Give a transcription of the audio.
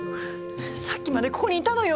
さっきまでここにいたのよ。